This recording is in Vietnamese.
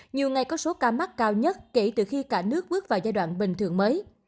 nhiều ngày có số ca mắc cao nhất kể từ khi cả nước bước vào giai đoạn bình thường mới